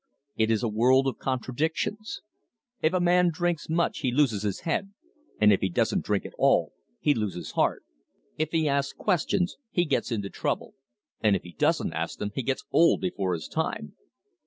It is a world of contradictions. If a man drinks much he loses his head, and if he doesn't drink at all he loses heart. If he asks questions he gets into trouble, and if he doesn't ask them he gets old before his time.